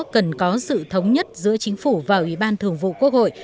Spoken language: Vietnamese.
cần có sự thống nhất giữa chính phủ và ủy ban thường vụ quốc hội